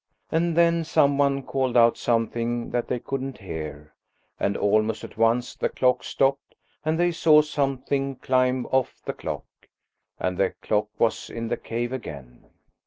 And then some one called out something that they couldn't hear, and almost at once the clock stopped, and they saw something climb off the clock. And the clock was in the cave again.